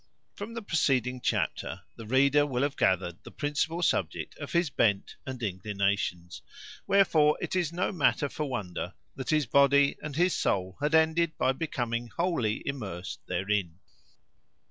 From the preceding chapter the reader will have gathered the principal subject of his bent and inclinations: wherefore it is no matter for wonder that his body and his soul had ended by becoming wholly immersed therein.